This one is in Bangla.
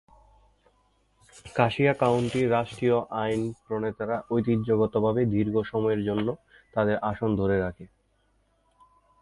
কাসিয়া কাউন্টির রাষ্ট্রীয় আইন প্রণেতারা ঐতিহ্যগতভাবে দীর্ঘ সময়ের জন্য তাদের আসন ধরে রাখে।